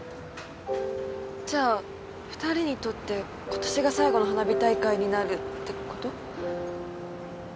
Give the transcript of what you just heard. じゃあ２人にとってことしが最後の花火大会になるってこと？